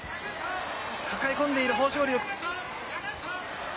抱え込んでいる豊昇龍。